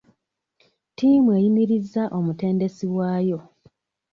Ttiimu eyimirizza omutendesi waayo.